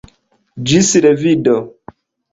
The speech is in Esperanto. Ĝis revido!